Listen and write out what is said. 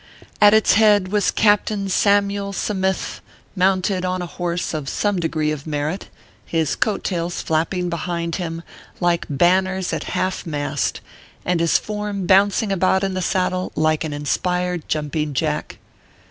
At its head was Captain Samyule Sa mith, mounted on a* horse of some degree of merit, his coat tails flapping behind him like banners at half mast, and his form bouncing about in the saddle like an inspired jumping jack.